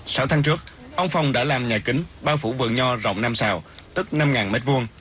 sáu tháng trước ông phong đã làm nhà kính bao phủ vườn nho rộng năm xào tức năm m hai